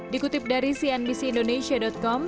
dikutip dari cnbc indonesia com